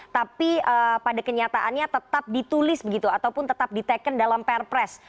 tapi pada kenyataannya tetap ditulis begitu ataupun tetap diteken dalam perpres